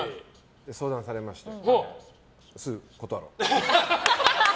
相談されまして、すぐ断ろうと。